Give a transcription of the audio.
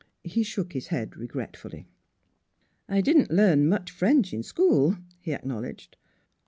He shook his head regretfully. " I didn't learn much French in school," he acknowledged.